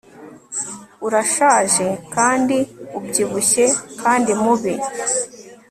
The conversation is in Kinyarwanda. urashaje kandi ubyibushye kandi mubi